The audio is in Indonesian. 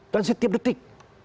dan setiap detik